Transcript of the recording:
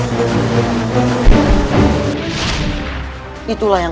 kau harus menerima kesempatan